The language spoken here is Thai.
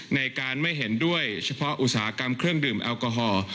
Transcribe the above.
ในการไม่เห็นด้วยเฉพาะอุตสาหกรรมเครื่องดื่มแอลกอฮอล์